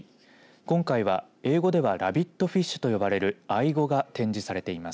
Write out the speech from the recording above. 今回は、英語ではラビットフィッシュと呼ばれるアイゴが展示されています。